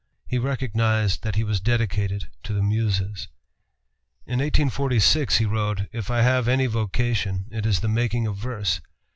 He recognized that he was dedicated to the Muses. In 1846 he wrote: "If I have any vocation, it is the making of verse.